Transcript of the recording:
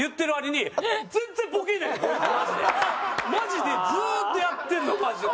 マジでずーっとやってるのマジでこいつ。